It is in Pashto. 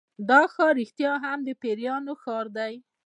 دا ښار رښتیا هم د پیریانو ښار دی.